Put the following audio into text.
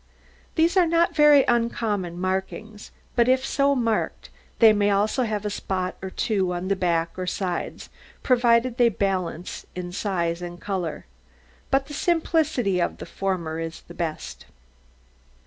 These are not very uncommon markings, but if so marked, they may also have a spot or two on the back or sides provided they balance in size of colour. But the simplicity of the former is the best.